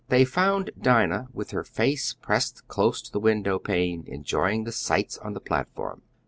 They found Dinah with her face pressed close to the window pane, enjoying the sights on the platform.